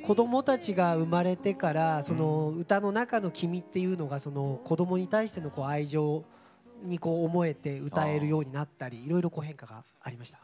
子どもたちが生まれてから歌の中の君というのが子どもに対しての愛情に思えて歌えるようになったりいろいろと変化がありました。